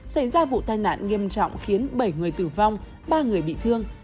xảy ra vụ tai nạn nghiêm trọng khiến bảy người tử vong ba người bị thương